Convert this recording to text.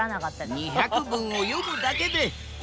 ２００文を読むだけでえ！？